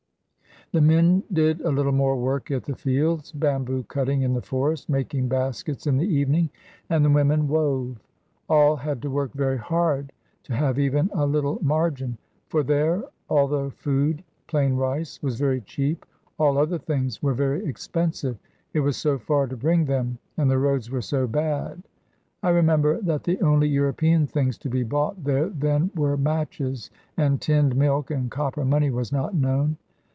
The men did a little more work at the fields, bamboo cutting in the forest, making baskets in the evening, and the women wove. All had to work very hard to have even a little margin; for there, although food plain rice was very cheap, all other things were very expensive. It was so far to bring them, and the roads were so bad. I remember that the only European things to be bought there then were matches and tinned milk, and copper money was not known.